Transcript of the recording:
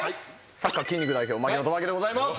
サッカー筋肉代表槙野智章でございます！